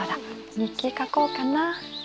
日記書こうかな。